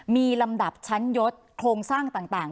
มีลำดับชั้นยศโครงสร้างต่าง